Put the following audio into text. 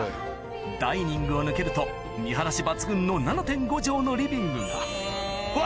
ダイニングを抜けると見晴らし抜群の７．５帖のリビングがうわ！